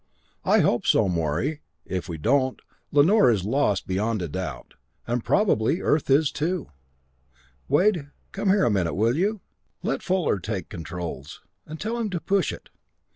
"I hope so, Morey. If we don't, Lanor is lost beyond a doubt and probably Earth is, too. Wade come here a minute, will you? Let Fuller take the controls, and tell him to push it.